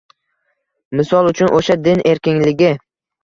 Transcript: Misol uchun, o‘sha din erkinligi.